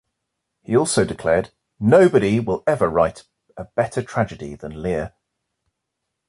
He also declared, "Nobody will ever write a better tragedy than "Lear".